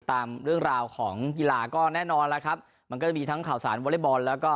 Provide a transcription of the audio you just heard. ตามเรื่องราวของกีฬาก็แน่นอนแล้วครับมันก็จะมีทั้งข่าวสารวอเล็กบอลแล้วก็